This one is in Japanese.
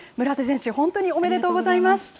村瀬選手、本当におめでとうございます。